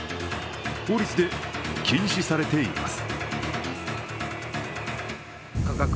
法律で禁止されています。